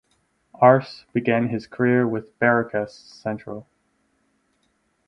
Arce began his career with Barracas Central.